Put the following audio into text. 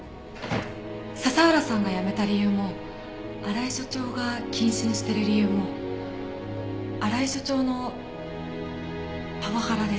佐々浦さんが辞めた理由も新井所長が謹慎してる理由も新井所長のパワハラです。